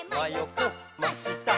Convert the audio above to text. こっましたっ」